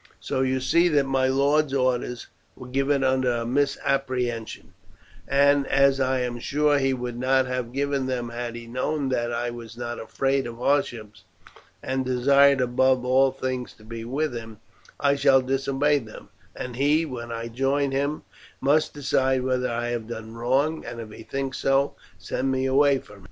So you see that my lord's orders were given under a misapprehension, and as I am sure he would not have given them had he known that I was not afraid of hardships, and desired above all things to be with him, I shall disobey them, and he, when I join him, must decide whether I have done wrong, and, if he thinks so, send me away from him."